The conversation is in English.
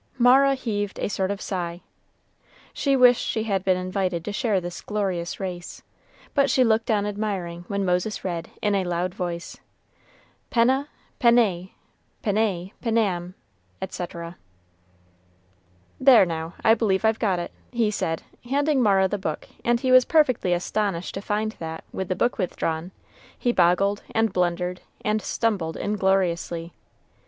Mara heaved a sort of sigh. She wished she had been invited to share this glorious race; but she looked on admiring when Moses read, in a loud voice, "Penna, pennæ, pennæ, pennam," etc. "There now, I believe I've got it," he said, handing Mara the book; and he was perfectly astonished to find that, with the book withdrawn, he boggled, and blundered, and stumbled ingloriously.